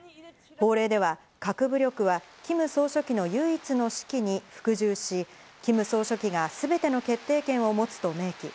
法令では核武力はキム総書記の唯一の指揮に服従し、キム総書記がすべての決定権を持つと明記。